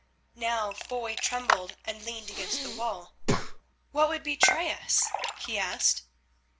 Now Foy trembled and leaned against the wall. "What would betray us?" he asked.